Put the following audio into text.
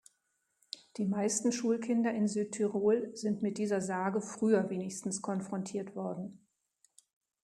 Die meisten Schulkinder in Südtirol sind mit dieser Sage früher wenigstens konfrontiert worden.